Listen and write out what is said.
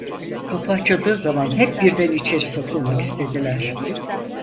Kapı açıldığı zaman hep birden içeri sokulmak istediler.